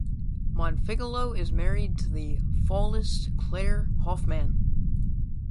Bonfiglio is married to the flautist Clare Hoffman.